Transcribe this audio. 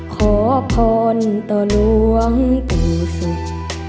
ขอพ้นต่อหลวงปู่สุด